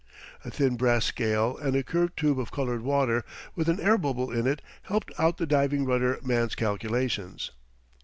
A thin brass scale and a curved tube of colored water with an air bubble in it helped out the diving rudder man's calculations.